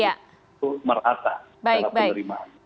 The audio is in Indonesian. jadi saya berharap yang ada di situ merata